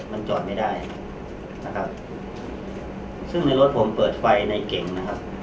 มันจอดไม่ได้นะครับซึ่งในรถผมเปิดไฟในเก่งนะครับ